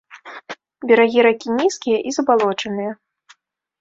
Берагі ракі нізкія і забалочаныя.